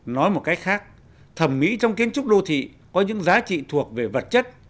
nói một cách khác thẩm mỹ trong kiến trúc đô thị có những giá trị thuộc về vật chất